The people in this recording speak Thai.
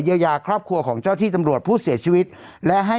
ยายาครอบครัวของเจ้าที่ตำรวจผู้เสียชีวิตและให้